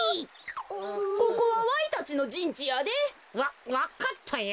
ここはわいたちのじんちやで。わわかったよ。